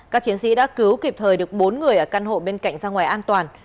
các chiến sĩ đã cứu kịp thời được bốn người ở căn hộ bên cạnh ra ngoài an toàn